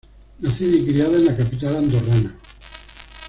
Nacida y criada en la capital andorrana.